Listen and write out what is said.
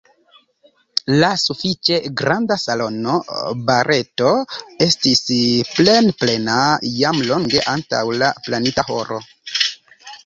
La sufiĉe granda salono Barreto estis plenplena jam longe antaŭ la planita horo.